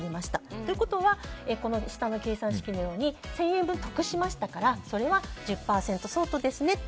ということは１０００円分得しましたからそれは１０％相当ですねと。